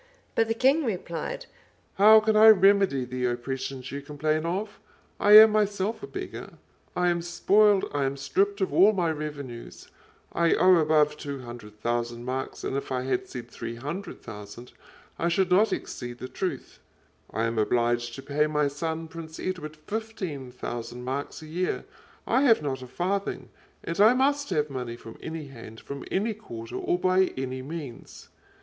But the king replied, "How can I remedy the oppressions you complain of? I am myself a beggar. I am spoiled, I am stripped of all my revenues; I owe above two hundred thousand marks; and if I had said three hundred thousand, I should not exceed the truth; I am obliged to pay my son, Prince Edward, fifteen thousand marks a year; I have not a farthing; and I must have money from any hand, from any quarter, or by any means."